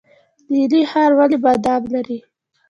نیلي ښار ولې بادام لري؟